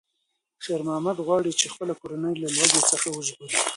خیر محمد غواړي چې خپله کورنۍ له لوږې څخه وژغوري.